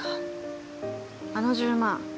あの１０万